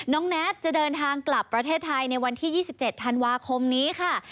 แน็ตจะเดินทางกลับประเทศไทยในวันที่๒๗ธันวาคมนี้ค่ะ